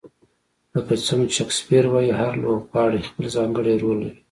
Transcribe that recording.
لکه څنګه چې شکسپیر وایي، هر لوبغاړی خپل ځانګړی رول لري.